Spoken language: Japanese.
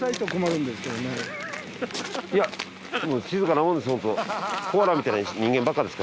いや静かなもんです